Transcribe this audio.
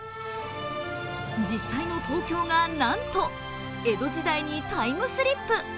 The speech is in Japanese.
実際に東京がなんと江戸時代にタイムスリップ。